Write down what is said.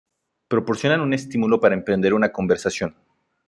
Proporcionan un estímulo para emprender una conversación.